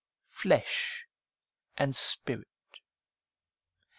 Flesh and Spirit.